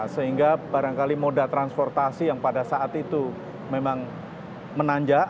sehingga barangkali moda transportasi yang pada saat itu memang menanjak